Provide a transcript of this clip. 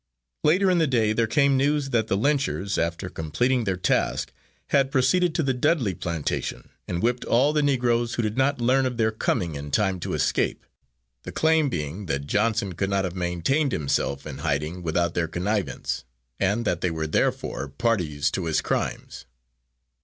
Later in the day there came news that the lynchers, after completing their task, had proceeded to the Dudley plantation and whipped all the Negroes who did not learn of their coming in time to escape, the claim being that Johnson could not have maintained himself in hiding without their connivance, and that they were therefore parties to his crimes.